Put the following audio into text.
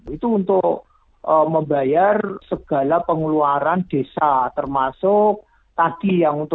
itu untuk membayar segala pengeluaran desa termasuk tadi yang untuk